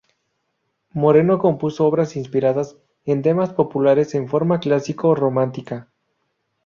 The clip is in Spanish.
Moreno compuso obras inspiradas en temas populares en forma clásico romántica.